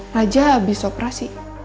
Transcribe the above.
raja abis operasi